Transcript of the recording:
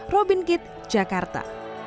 robin kitt jakarta